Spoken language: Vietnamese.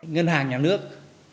ngân hàng nhà nước